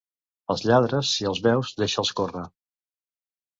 Als lladres, si els veus, deixa'ls córrer.